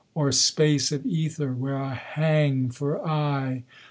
Or space of ether, where I hang for aye!